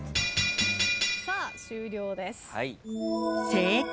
さあ終了です。